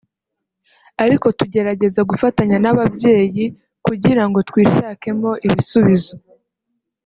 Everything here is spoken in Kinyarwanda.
ariko tugerageza gufatanya n’ababyeyi kugira ngo twishakemo ibisubizi